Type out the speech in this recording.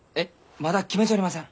まだ決めちょりません。